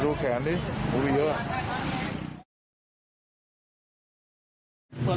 อ๋อพรุ่งใส่เตานู้น